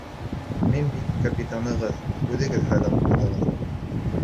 Мин бит капитанығыҙ, үҙегеҙ һайлап ҡуйҙығыҙ.